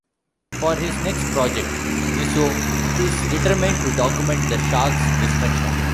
For his next project, Zissou is determined to document the shark's destruction.